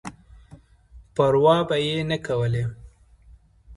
پر وا به یې نه کولای.